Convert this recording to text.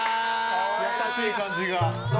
優しい感じが。